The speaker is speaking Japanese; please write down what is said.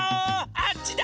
あっちだ！